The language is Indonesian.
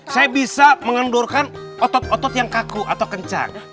saya bisa mengendorkan otot otot yang kaku atau kencang